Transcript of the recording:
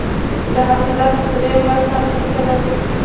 د حاصلاتو دریمه برخه اخیستله.